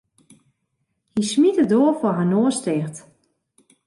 Hy smiet de doar foar har noas ticht.